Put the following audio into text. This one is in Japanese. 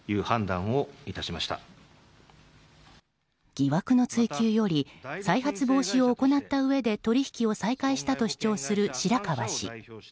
疑惑の追及より再発防止を行ったうえで取引を再開したと主張する白川氏。